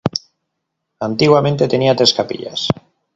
Antiguamente tenía tres capillas.